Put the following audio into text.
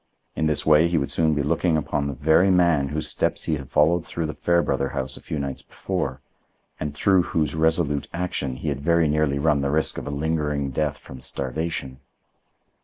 In this way he would soon be looking upon the very man whose steps he had followed through the Fairbrother house a few nights before, and through whose resolute action he had very nearly run the risk of a lingering death from starvation.